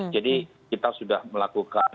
jadi kita sudah melakukan uji